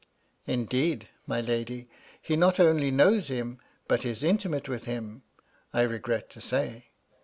" Indeed, my lady, he not only knows him, but is intimate with him, I regret to say.